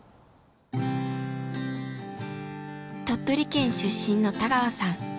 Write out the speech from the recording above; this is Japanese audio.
鳥取県出身の田川さん。